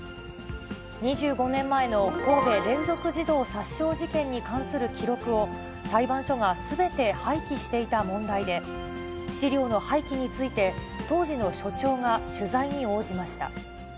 ２５年前の神戸連続児童殺傷事件に関する記録を、裁判所がすべて廃棄していた問題で、資料の廃棄について、当時の所長が取材に応じました。